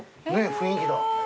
雰囲気だ。